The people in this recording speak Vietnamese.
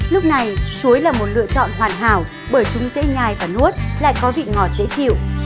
lúc này chuối là một lựa chọn hoàn hảo bởi chúng dễ ngai và nuốt lại có vị ngọt dễ chịu